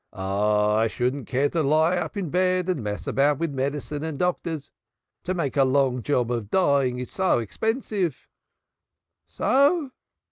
"I shouldn't care to lie up in bed and mess about with medicine and doctors. To make a long job of dying is so expensive." "So?"